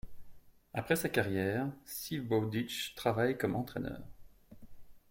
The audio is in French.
Après sa carrière, Steve Bowditch travaille comme entraîneur.